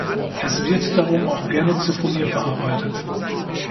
Es wird darum auch gerne zu Furnier verarbeitet.